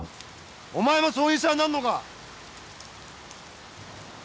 お前もそういう医者になるのか？